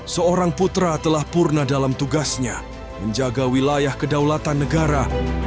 seorang putra telah purna dalam tugasnya menjaga wilayah kedaulatan negara